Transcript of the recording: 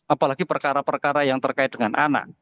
apalagi perkara perkara yang terkait dengan anak